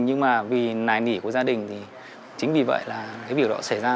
nhưng mà vì nài của gia đình thì chính vì vậy là cái việc đó xảy ra